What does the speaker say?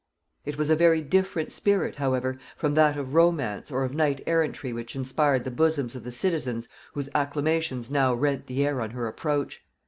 It was a very different spirit, however, from that of romance or of knight errantry which inspired the bosoms of the citizens whose acclamations now rent the air on her approach.